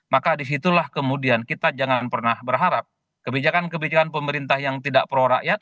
maka disitulah kemudian kita jangan pernah berharap kebijakan kebijakan pemerintah yang tidak pro rakyat